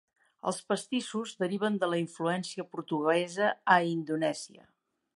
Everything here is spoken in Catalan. Els pastissos deriven de la influència portuguesa a Indonèsia.